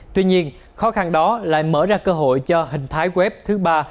tuy nhiên khó khăn đó lại mở ra cơ hội cho hình thái quét thứ ba